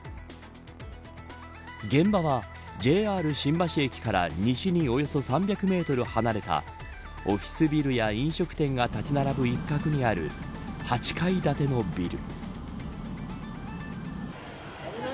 現場は、ＪＲ新橋駅から西におよそ３００メートル離れたオフィスビルや飲食店が立ち並ぶ一角にある８階建てのビル。